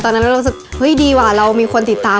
ตอนนั้นเรารู้สึกเฮ้ยดีกว่าเรามีคนติดตาม